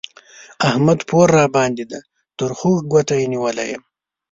احمد پور راباندې دی؛ تر خوږ ګوته يې نيولی يم